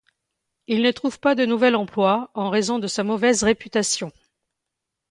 Il ne trouve pas de nouvel emploi en raison de sa mauvaise réputation.